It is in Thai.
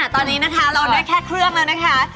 ตอนนี้นะคะเราได้แค่เครื่องแล้วนะคะ